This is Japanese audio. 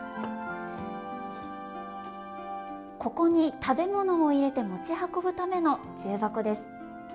ここに食べ物を入れて持ち運ぶための重箱です。